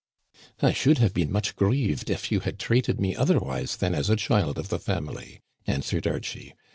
" I should have been much grieved if you had treat ed me otherwise than as a child of the family," answered Archie.